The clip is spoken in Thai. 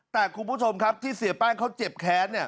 แต่คุณผู้ชมครับที่เสียแป้งเขาเจ็บแค้น